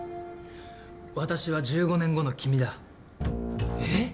私は１５年後の君だ。えっ？